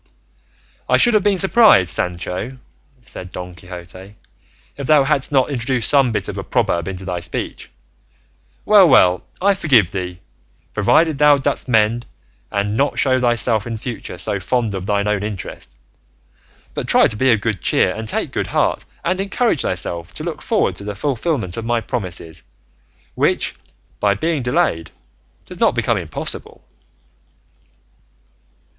"I should have been surprised, Sancho," said Don Quixote, "if thou hadst not introduced some bit of a proverb into thy speech. Well, well, I forgive thee, provided thou dost mend and not show thyself in future so fond of thine own interest, but try to be of good cheer and take heart, and encourage thyself to look forward to the fulfillment of my promises, which, by being delayed, does not become impossible."